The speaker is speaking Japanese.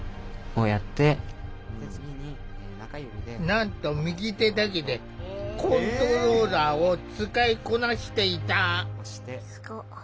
なんと右手だけでコントローラーを使いこなしていた。